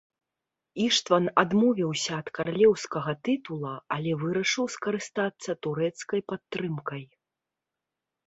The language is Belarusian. Іштван адмовіўся ад каралеўскага тытула, але вырашыў скарыстацца турэцкай падтрымкай.